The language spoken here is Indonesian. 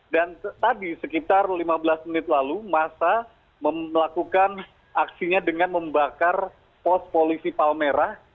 dan tadi sekitar lima belas menit lalu masa melakukan aksinya dengan membakar pos polisi palmerah